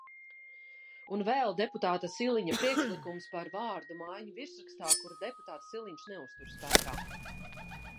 Un vēl deputāta Siliņa priekšlikums par vārdu maiņu virsrakstā, kuru deputāts Siliņš neuztur spēkā.